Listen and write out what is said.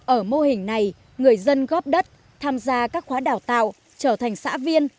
ở mô hình này người dân góp đất tham gia các khóa đào tạo trở thành xã viên